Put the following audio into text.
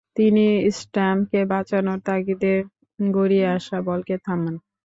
তিনি স্ট্যাম্পকে বাঁচানোর তাগিদে গড়িয়ে আসা বলকে থামান।